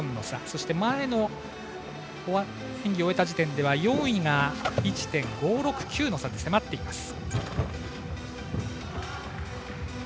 そして前の演技を終えた時点では４位が１．５６９の差と迫っています。